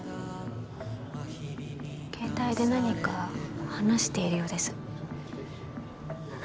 携帯で何か話しているようです